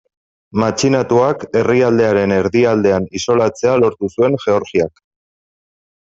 Matxinatuak herrialdearen erdialdean isolatzea lortu zuen Georgiak.